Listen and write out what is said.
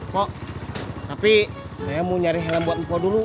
pok tapi saya mau nyari helm buat mpok dulu